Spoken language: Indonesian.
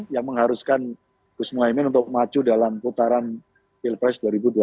yang mengharuskan gus muhaymin untuk maju dalam putaran pilpres dua ribu dua puluh